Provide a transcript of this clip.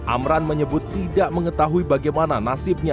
amran menyebut tidak mengetahui bagaimana nasibnya